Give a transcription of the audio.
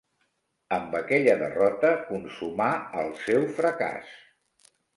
Amb aquella derrota consumà el seu fracàs.